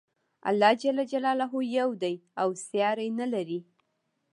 الله ج یو دی او ساری نه لري.